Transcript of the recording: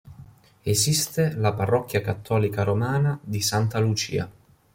Esiste la parrocchia cattolica romana di Santa Lucia.